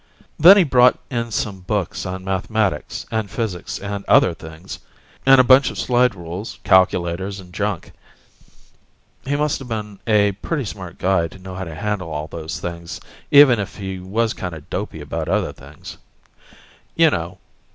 Then he brought in some books on mathematics and physics and other things, and a bunch of slide rules, calculators, and junk. He musta been a pretty smart guy to know how to handle all those things, even if he was kinda dopey about other things. You know